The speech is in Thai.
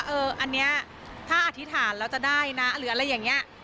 เอออันนี้ถ้าอธิษฐานแล้วจะได้นะหรืออะไรอย่างนี้